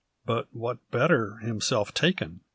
But what better himself taken?